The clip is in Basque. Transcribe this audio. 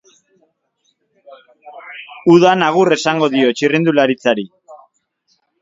Udan agur esango dio txirrindularitzari.